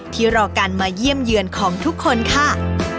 รอการมาเยี่ยมเยือนของทุกคนค่ะ